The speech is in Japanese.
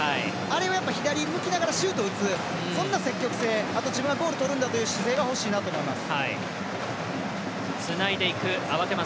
あれは左向きながらシュートを打つそんな積極性、あと自分はゴールを取るんだという姿勢が欲しいなと思います。